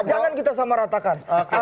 jangan kita sama ratakan